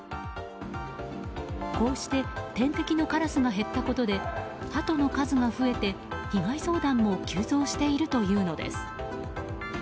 こうして天敵のカラスが減ったことでハトの数が増えて被害相談も急増しているというのです。